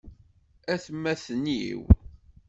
Atmaten-iw!